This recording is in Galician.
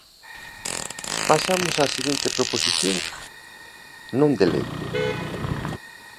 Pasamos á seguinte proposición non de lei.